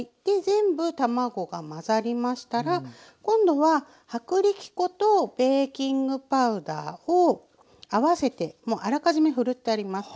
全部卵が混ざりましたら今度は薄力粉とベーキングパウダーを合わせてもうあらかじめふるってあります。